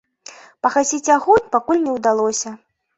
Пагасіць агонь пакуль не ўдалося.